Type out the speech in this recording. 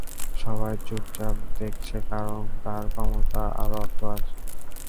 সবাই চুপচাপ দেখছে কারণ, তার ক্ষমতা আর অর্থ আছে।